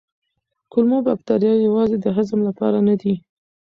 کولمو بکتریاوې یوازې د هضم لپاره نه دي.